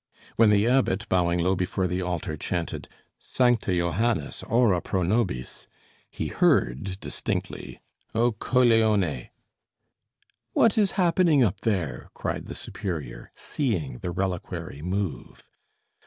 When the Abbot, bowing low before the altar, chanted: "'Sancte Johannes, ora pro nobis'!" he heard distinctly: "'O coglione'!" "What is happening up there?" cried the superior, seeing the reliquary move.